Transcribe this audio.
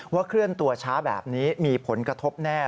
เคลื่อนตัวช้าแบบนี้มีผลกระทบแน่